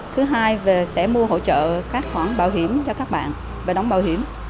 thứ hai về sẽ mua hỗ trợ các khoản bảo hiểm cho các bạn về đóng bảo hiểm